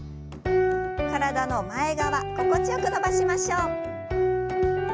体の前側心地よく伸ばしましょう。